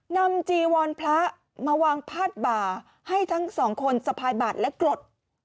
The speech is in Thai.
จีวรพระมาวางพาดบ่าให้ทั้งสองคนสะพายบาดและกรด